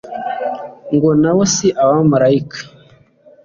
ngo na bo si abamalayika